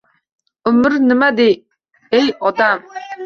— Umr nima, ey odam?